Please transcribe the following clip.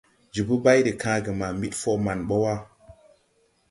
Jobo bay de kããge ma ɓid fɔ man bɔ wà.